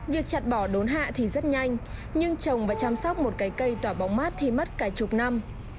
việc chặt bỏ đốn hạ thì rất nhanh nhưng trồng và chăm sóc một cái cây tỏ bóng mát thì mất cả chục năm